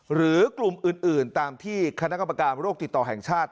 หรือกลุ่มอื่นตามที่คณะกรรมการโรคติดต่อแห่งชาติ